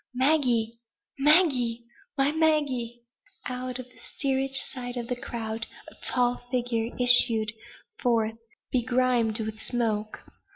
"Maggie, Maggie! My Maggie!" Out of the steerage side of the crowd a tall figure issued forth, begrimed with smoke.